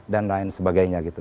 dan lain sebagainya